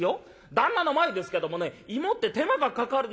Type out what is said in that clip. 旦那の前ですけどもね芋って手間がかかるんですよ。